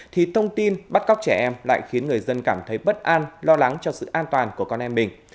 thì thông tin bắt cóc trẻ em lại khiến người dân cảm thấy bất an lo lắng cho sự an toàn của con em mình